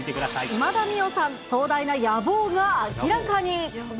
今田美桜さん、壮大な野望が明らかに。